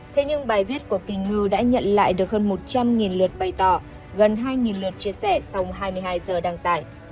thế nhưng bài viết của kỳnh ngư đã nhận lại được hơn một trăm linh lượt bày tỏ gần hai lượt chia sẻ sau hai mươi hai giờ đăng tải